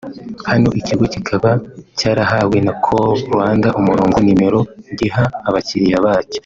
Hano ikigo kiba cyarahawe na Call Rwanda umurongo (nimero) giha abakiriya bacyo